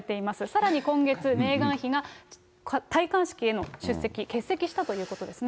さらに今月、メーガン妃が戴冠式への出席、欠席したということですね。